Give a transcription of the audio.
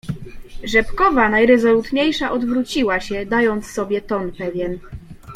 "Rzepkowa najrezolutniejsza odwróciła się, dając sobie ton pewien."